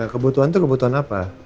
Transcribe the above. kebutuhan itu kebutuhan apa